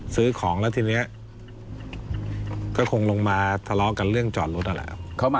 ซื้อของแล้วทีนี้ก็คงลงมาทะเลาะกันเรื่องจอดรถนั่นแหละครับ